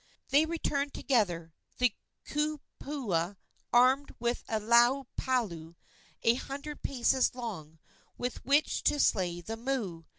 They returned together, the kupua armed with a laau palau a hundred paces long with which to slay the moo.